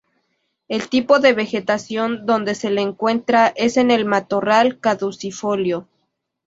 El tipo de vegetación donde se le encuentra es en el matorral caducifolio.